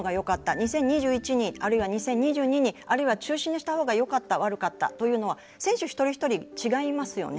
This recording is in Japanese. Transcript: ２０２１に、あるいは２０２２にあるいは中止にしたほうがよかった、悪かったというのは選手一人一人違いますよね。